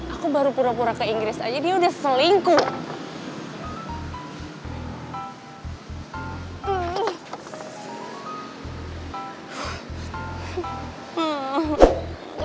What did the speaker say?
aku baru pura pura ke inggris aja dia udah selingkuh